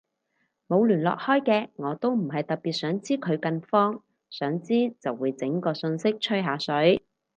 冇聯絡開嘅我都唔係特別想知佢近況，想知就會整個訊息吹下水